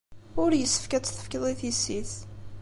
Ur yessefk ad tt-tefkeḍ i tissit.